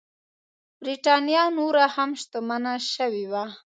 برېټانیا نوره هم شتمنه شوې وه.